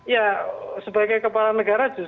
ya sebagai kepala negara